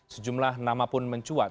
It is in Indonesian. sejumlah nama pun mencuat